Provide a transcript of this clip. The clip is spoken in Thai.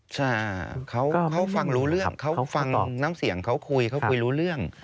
ใช่เขาฟังรู้เรื่องเขาฟังน้ำเสียงเขาคุยเขาคุยรู้เรื่อง